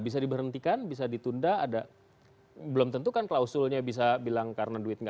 bisa diberhentikan bisa ditunda ada belum tentu kan klausulnya bisa bilang karena duit nggak